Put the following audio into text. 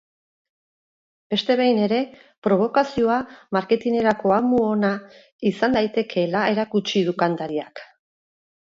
Beste behin ere, probokazioa marketinerako amu ona izan daitekeela erakutsi du kantariak.